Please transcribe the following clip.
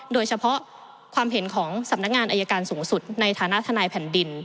โดยเฉพาะความเห็นของสำนักงานอายการสูงสุดในฐานะทนายแผ่นดิน